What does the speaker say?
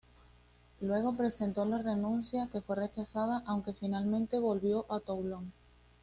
Luego presentó su renuncia, que fue rechazada, aunque finalmente volvió a Toulon.